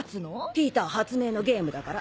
ピーター発明のゲームだから。